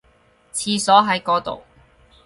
廁所喺嗰度